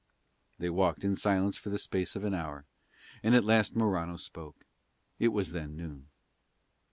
They walked in silence for the space of an hour, and at last Morano spoke. It was then noon.